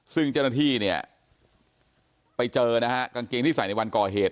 ซึ่งเจ้าหน้าที่ไปเจอกางเกงที่ใส่ในวันก่อเหตุ